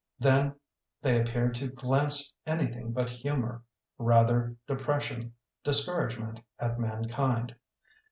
Then they appeared to glance anything but humor — rather depres sion, discouragement at mankind.